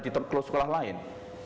di sekolah lain